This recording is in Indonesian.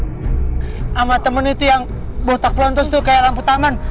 sama temen itu yang botak lontos tuh kayak lampu taman